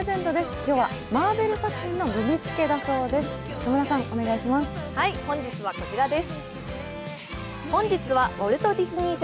今日はマーベル作品のムビチケだそうです。